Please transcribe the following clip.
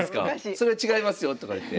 「それ違いますよ」とか言って。